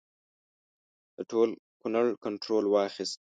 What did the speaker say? د ټول کنړ کنټرول واخیست.